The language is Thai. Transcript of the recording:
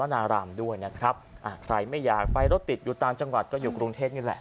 เงี่ยใครไม่อยากไปรถติดอยู่ต่างจังหวัดก็หรือนี้เทศนี่แหละ